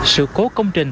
sự cố công trình